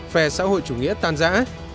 phe xã hội chủ nghĩa tan giã